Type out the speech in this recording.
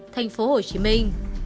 thành phố hồ chí minh